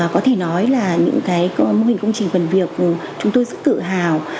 có thể nói là những mô hình công trình phần việc của chúng tôi rất tự hào